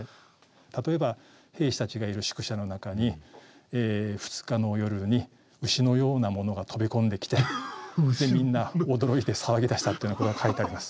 例えば兵士たちがいる宿舎の中に２日の夜に牛のようなものが飛び込んできてでみんな驚いて騒ぎだしたというようなことが書いてあります。